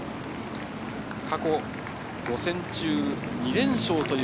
過去、５戦中２連勝。